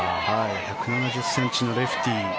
１７０ｃｍのレフティー。